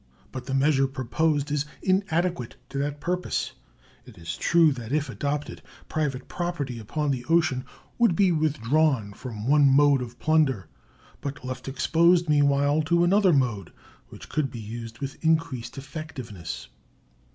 But the measure proposed is inadequate to that purpose. It is true that if adopted private property upon the ocean would be withdrawn from one mode of plunder, but left exposed meanwhile to another mode, which could be used with increased effectiveness.